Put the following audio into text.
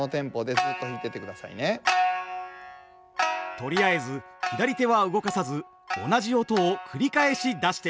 とりあえず左手は動かさず同じ音を繰り返し出してみます。